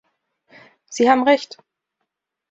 Sie haben recht.